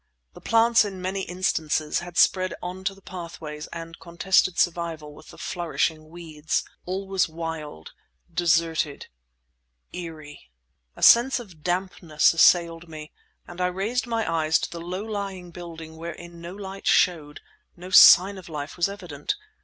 The plants in many instances had spread on to the pathways and contested survival with the flourishing weeds. All was wild—deserted—eerie. A sense of dampness assailed me, and I raised my eyes to the low lying building wherein no light showed, no sign of life was evident.